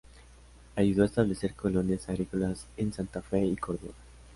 Ayudó a establecer colonias agrícolas en Santa Fe y Córdoba.